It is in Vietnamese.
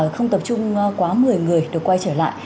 không tập trung quá một mươi người được quay trở lại